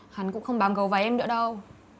hắn cũng không bám gấu váy em nữa đâu